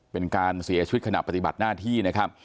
เป็นการเสียชีวิตขณะปฏิบัติหน้าที่นะครับ